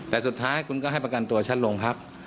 แต่สุดท้ายคุณก็ให้ประกันตัวชั้นโรงพัก